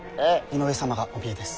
井上様がお見えです。